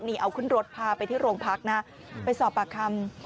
นี่เอาขึ้นรถพาไปที่โรงพักนะไปสอบปากคำ